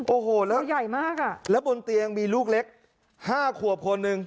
โอ้โหแล้วตัวใหญ่มากอ่ะแล้วบนเตียงมีลูกเล็กห้าขวบคนหนึ่ง